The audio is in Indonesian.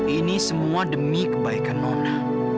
ini semua demi kebaikan nona